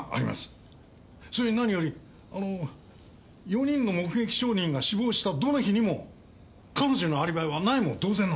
それに何よりあの４人の目撃証人が死亡したどの日にも彼女のアリバイはないも同然なんです。